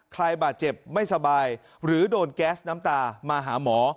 ใครบาดเจ็บไม่สบายหรือโดนแก๊สน้ำตามาหาหมอ